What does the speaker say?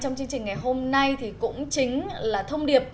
trong chương trình ngày hôm nay thì cũng chính là thông điệp